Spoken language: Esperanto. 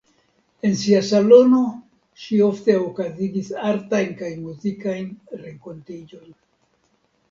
En sia salono ŝi ofte okazigis artajn kaj muzikajn renkontiĝojn.